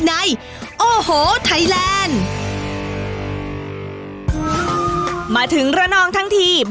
ใบตองแบบนี้